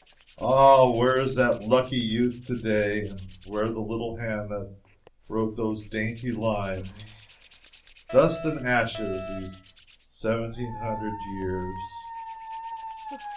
Ah, where is that lucky youth to day, and where the little hand that wrote those dainty lines? Dust and ashes these seventeen hundred years!